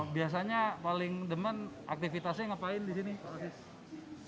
biasanya paling demen aktivitasnya ngapain di sini pak asis